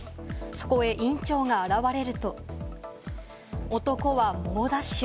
そこへ院長が現れると、男は猛ダッシュ。